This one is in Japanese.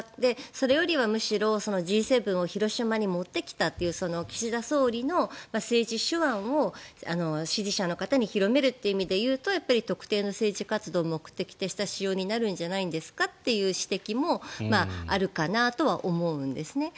それよりはむしろＧ７を広島に持ってきたというその岸田総理の政治手腕を支持者の方に広めるという意味で言うとやっぱり特定の政治活動を目的とした使用になるんじゃないですかという指摘もあるかなとは思うんですね。